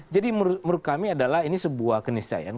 jadi menurut kami adalah ini sebuah keniscahayaan